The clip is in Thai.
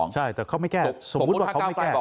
ใช่แต่เขาไม่แก้สมมุติว่าเขาไม่แก้